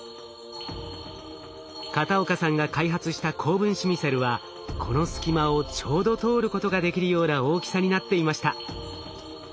片岡さんが開発した高分子ミセルはこの隙間をちょうど通ることができるような大きさになっていました。